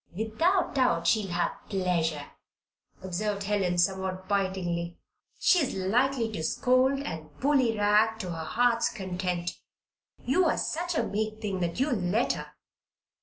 "Without doubt she'll have pleasure," observed Helen, somewhat bitingly. "She is likely to scold and 'bullyrag' to her heart's content. You're such a meek thing that you'll let her."